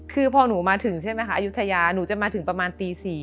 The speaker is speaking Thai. คือพอหนูมาถึงใช่ไหมคะอายุทยาหนูจะมาถึงประมาณตี๔